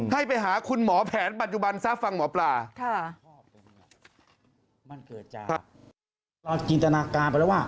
ให้ไปหาคุณหมอแผนปัจจุบันซะฟังหมอปลา